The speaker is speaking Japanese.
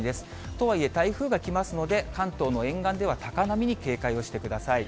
とはいえ、台風が来ますので、関東の沿岸では高波に警戒をしてください。